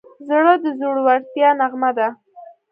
زړه د زړورتیا نغمه ده.